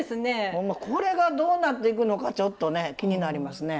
ほんまこれがどうなっていくのかちょっとね気になりますね。